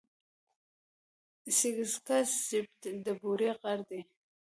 سېځگه سېبت د بوري غر دی.